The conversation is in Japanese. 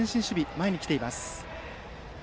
前に来ています。